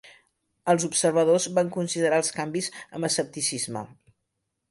Els observadors van considerar els canvis amb escepticisme.